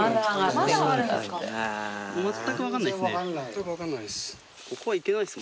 全く分からないです。